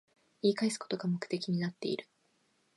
言い返すことが目的になってる